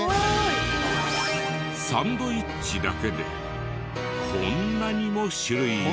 サンドウィッチだけでこんなにも種類が。